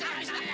hah hah kena